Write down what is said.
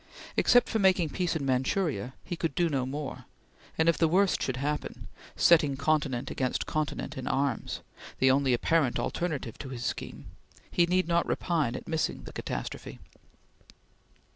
Except for making peace in Manchuria, he could do no more; and if the worst should happen, setting continent against continent in arms the only apparent alternative to his scheme he need not repine at missing the catastrophe.